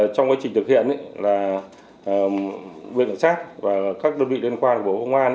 trong quá trình thực hiện viện cảnh sát và các đơn vị liên quan của bộ công an